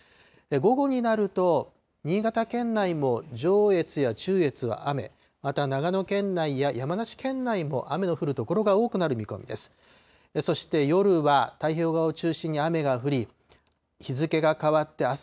午後になると、新潟県内も上越や中越は雨、また長野県内や山梨県内も雨の降る所が多くなる見込みです。